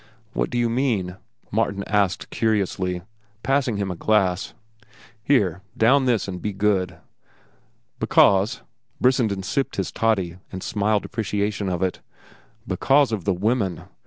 "What do you mean?" Martin asked curiously, passing him a glass. "Here, down this and be good." "Because—" Brissenden sipped his toddy and smiled appreciation of it. "Because of the women.